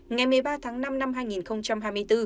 ngày một mươi ba tháng năm năm hai nghìn hai mươi bốn